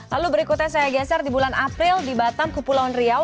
lalu berikutnya saya geser di bulan april di batam kepulauan riau